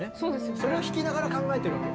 それを弾きながら考えてるわけ。